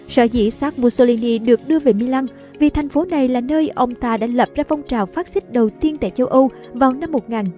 sở dĩ xác mussolini được đưa về milan vì thành phố này là nơi ông ta đã lập ra phong trào fascist đầu tiên tại châu âu vào năm một nghìn chín trăm một mươi chín